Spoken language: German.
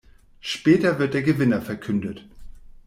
Später wird der Gewinner verkündet.